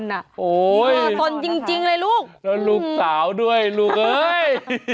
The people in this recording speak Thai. โอ้โหสนจริงเลยลูกสนลูกสาวด้วยลูกเอ้ย